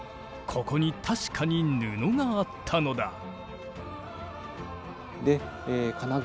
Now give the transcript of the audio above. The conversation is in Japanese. ここに確かに布があったのだ。